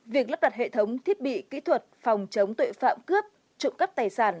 việc lắp đặt hệ thống thiết bị kỹ thuật phòng chống tuệ phạm cướp trụng cấp tài sản